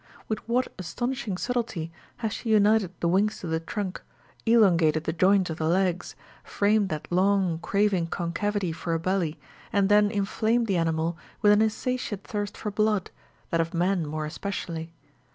With what astonishing subtlety has she united the wings to the trunk, elongated the joints of the legs, framed that long, craving concavity for a belly, and then inflamed the animal with an insatiate thirst for blood, that of m an more especially